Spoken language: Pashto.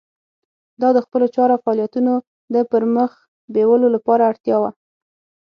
دا د خپلو چارو او فعالیتونو د پرمخ بیولو لپاره اړتیا وه.